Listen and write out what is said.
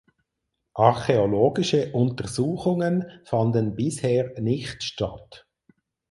Archäologische Untersuchungen fanden bisher nicht statt.